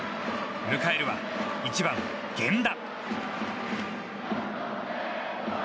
迎えるは１番、源田。